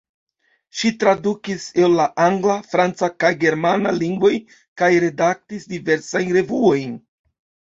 Ŝi tradukis el la angla, franca kaj germana lingvoj kaj redaktis diversajn revuojn.